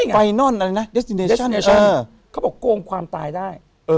เขาบอกโกงความตายได้